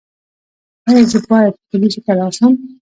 ایا زه باید پولیسو ته لاړ شم؟